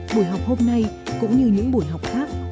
buổi học hôm nay cũng như những buổi học khác